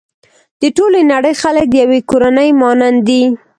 د ټولې نړۍ خلک د يوې کورنۍ مانند دي.